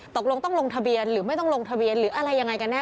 ตกลงต้องลงทะเบียนหรือไม่ต้องลงทะเบียนหรืออะไรยังไงกันแน